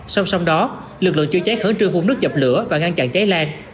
xong xong đó lực lượng chữa cháy khởi trương vùng nước dập lửa và ngăn chặn cháy lan